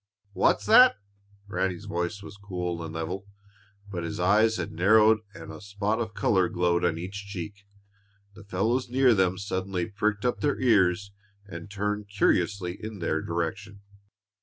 "What's that?" Ranny's voice was cool and level, but his eyes had narrowed and a spot of color glowed on each cheek. The fellows near them suddenly pricked up their ears and turned curiously in their direction.